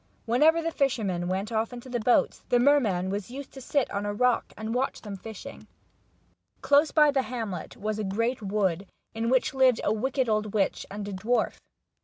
Whenever the fishermen went off in the boats the 70 The Fishermen of Shetland. merman was used to sit on a rock, and watch them fishing. Close by the hamlet was a great wood, in which lived a wicked old witch and a dwarf.